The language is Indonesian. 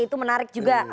itu menarik juga